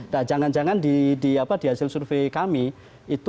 nah jangan jangan di hasil survei kami itu donald trump itu tidak akan menjawab